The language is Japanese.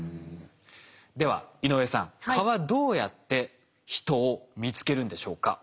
では井上さん蚊はどうやって人を見つけるんでしょうか？